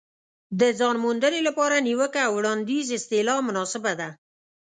د ځان موندنې لپاره نیوکه او وړاندیز اصطلاح مناسبه ده.